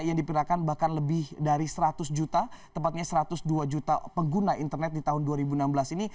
yang diperkirakan bahkan lebih dari seratus juta tepatnya satu ratus dua juta pengguna internet di tahun dua ribu enam belas ini